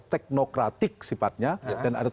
teknokratik sifatnya dan ada